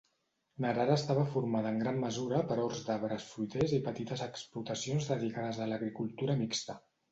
Narara estava formada en gran mesura per horts d'arbres fruiters i petites explotacions dedicades a l'agricultura mixta.